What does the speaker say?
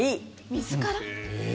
水から？